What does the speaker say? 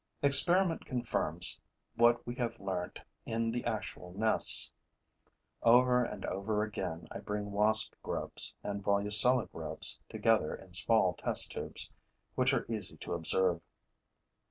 Experiment confirms what we have learnt in the actual nests. Over and over again, I bring wasp grubs and Volucella grubs together in small test tubes, which are easy to observe.